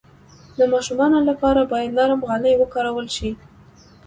د ماشومانو لپاره باید نرم غالۍ وکارول شي.